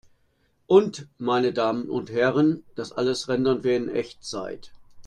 Und, meine Damen und Herren, das alles rendern wir in Echtzeit!